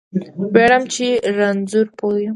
ویاړم چې رانځور پوه یم